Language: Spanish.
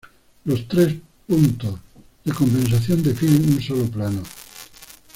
Los tres puntos de compensación definen un solo plano.